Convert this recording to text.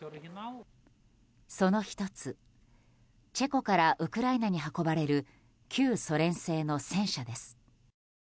その１つ、チェコからウクライナに運ばれる旧ソ連製の戦車です。